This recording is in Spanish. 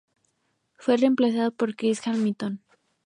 Fue remplazado por Chris Hamilton.